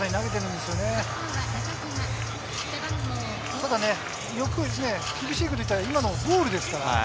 ただ、厳しいことを言うと、今のボールですから。